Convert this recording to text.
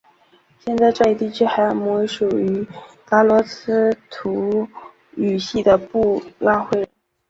现在这一地区还有母语属于达罗毗荼语系的布拉灰人。